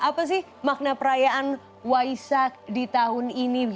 apa sih makna perayaan waisak di tahun ini